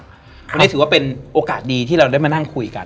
อันนี้ถือว่าเป็นโอกาสดีที่เราได้มานั่งคุยกัน